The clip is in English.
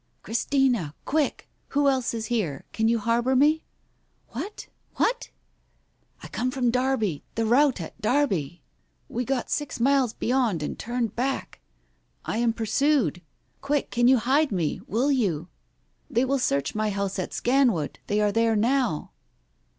"Christina, quick! Who else is here? Can you harbour me ?" "What? What?" . "I come from Derby — the rout at Derby. We got six miles beyond and turned back. ... I am pursued. Quick, can you hide me, will you ? They will search my house at Scanwood, they are there now.